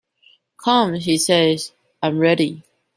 "Come," he says; "I am ready."